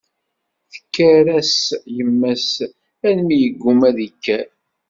Tekker-as yemma-s almi yeggumma ad ikker.